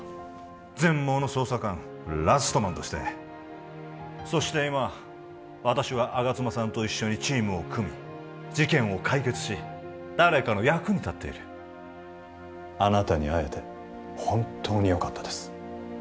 全盲の捜査官ラストマンとしてそして今私は吾妻さんと一緒にチームを組み事件を解決し誰かの役に立っているあなたに会えて本当によかったです